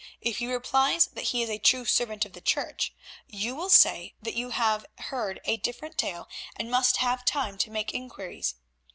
If he replies that he is a true servant of the Church, you will say that you have heard a different tale and must have time to make inquiries.